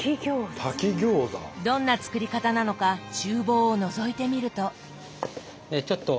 どんな作り方なのか厨房をのぞいてみると。